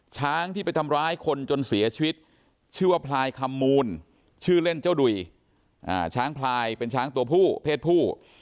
ช้างที่ไปทำร้ายคนจนเสียชีวิตชื่อว่าพลายคำมูลชื่อเล่นเจ้าดุ่ยช้างพลายเป็นช้างตัวผู้เพศผู้